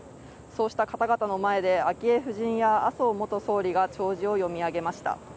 そうした方々の前で昭恵夫人や麻生元総理が弔辞を読み上げました。